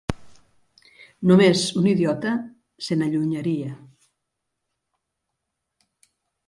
Només un idiota se n'allunyaria.